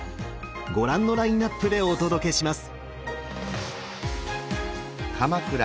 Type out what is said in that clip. ご覧のラインナップでお届けします！